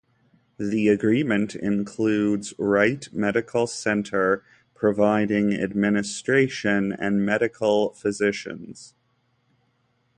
The agreement includes Wright Medical Center providing administration and medical physicians.